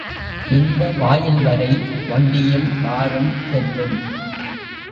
இந்த வாயில்வரை வண்டியும் காரும் செல்லும்.